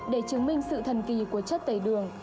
để chứng minh sự thần kỳ của chất tẩy đường